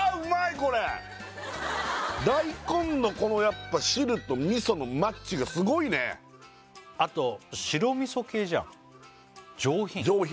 これ大根のこのやっぱ汁と味噌のマッチがすごいねあと白味噌系じゃん上品！